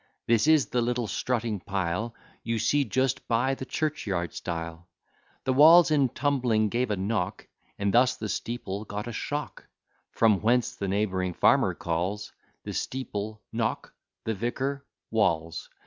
This is the little strutting pile You see just by the churchyard stile; The walls in tumbling gave a knock, And thus the steeple got a shock; From whence the neighbouring farmer calls The steeple, Knock; the vicar, Walls.